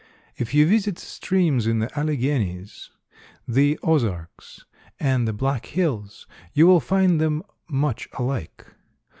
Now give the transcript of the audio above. If you visit streams in the Alleghanies, the Ozarks and the Black Hills you will find them much alike.